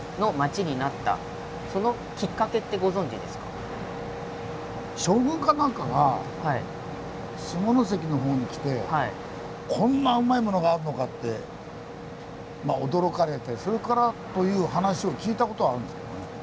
そもそも何で将軍か何かが下関の方に来て「こんなうまいものがあるのか」って驚かれてそれからという話を聞いた事あるんですけどね。